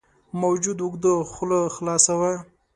موجود اوږده خوله خلاصه وه.